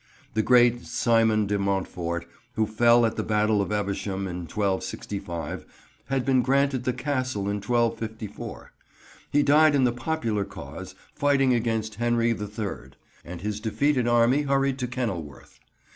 The great Simon de Montfort, who fell at the Battle of Evesham in 1265, had been granted the Castle in 1254. He died in the popular cause, fighting against Henry the Third, and his defeated army hurried to Kenilworth.